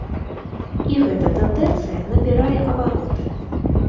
І гэта тэндэнцыя набірае абароты.